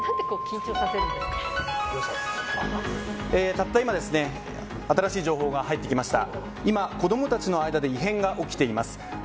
たった今新しい情報が入ってきました。